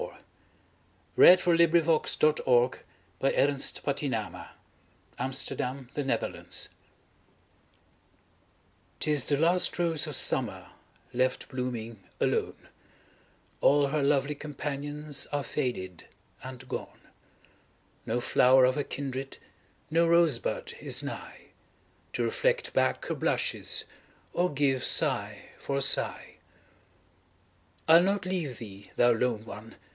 ...other Poetry Sites Thomas Moore (1779 1852) 'TIS THE LAST ROSE OF SUMMER 'TIS the last rose of summer, Left blooming alone ; All her lovely companions Are faded and gone ; No flower of her kindred, No rose bud is nigh, To reflect back her blushes, Or give sigh for sigh. I'll not leave thee, thou lone one